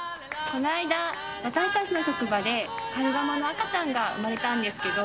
この間、私たちの職場でカルガモの赤ちゃんが産まれたんですけど。